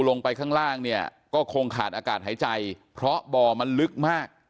ลงไปข้างล่างเนี่ยก็คงขาดอากาศหายใจเพราะบ่อมันลึกมาก